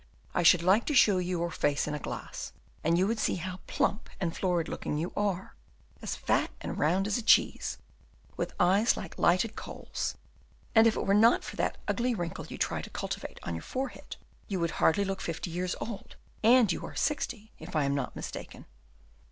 I should like to show you your face in a glass, and you would see how plump and florid looking you are, as fat and round as a cheese, with eyes like lighted coals; and if it were not for that ugly wrinkle you try to cultivate on your forehead, you would hardly look fifty years old, and you are sixty, if I am not mistaken."